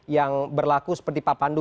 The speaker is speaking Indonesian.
yang berlaku seperti pak pandu